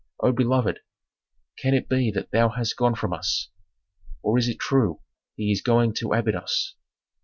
O beloved! Can it be that thou hast gone from us? Oh it is true, he is going to Abydos!